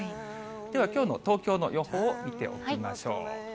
ではきょうの東京の予報を見ておきましょう。